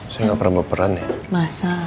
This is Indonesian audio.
saya gapernah baperan ya masa